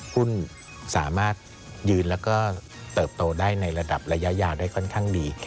หุ้นสามารถยืนแล้วก็เติบโตได้ในระดับระยะยาวได้ค่อนข้างดี